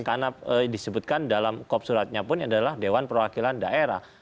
karena disebutkan dalam kopsulatnya pun adalah dewan perwakilan daerah